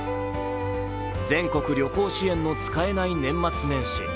全国旅行支援の使えない年末年始。